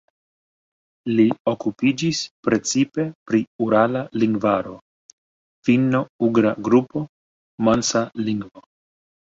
Li okupiĝis precipe pri Urala lingvaro, Finno-Ugra Grupo, Mansa lingvo.